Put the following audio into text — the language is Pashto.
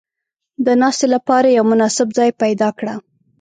• د ناستې لپاره یو مناسب ځای پیدا کړه.